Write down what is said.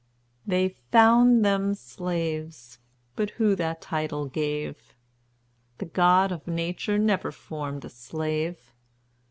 "They found them slaves! but who that title gave? The God of Nature never formed a slave!